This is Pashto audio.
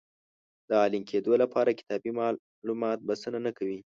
د عالم کېدو لپاره کتابي معلومات بسنه نه کوي.